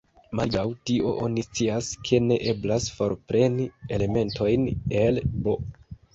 Malgraŭ tio, oni scias ke ne eblas forpreni elementojn el "B".